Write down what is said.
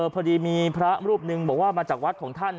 พอดีมีพระรูปหนึ่งบอกว่ามาจากวัดของท่าน